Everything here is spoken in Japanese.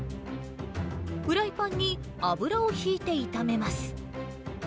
フライパンに油をひいて炒めます。